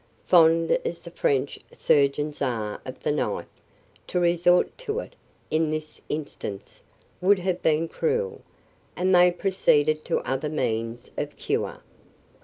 Fond as the French surgeons are of the knife, to resort to it in this instance would have been cruel, and they proceeded to other means of cure.